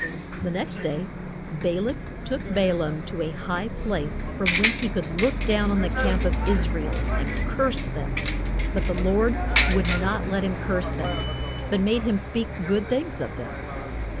The next day Ba lak took Ba laam to a high place, from whence he could look down on the camp of Is ra el, and curse them. But the Lord would not let him curse them, but made him speak good things of them.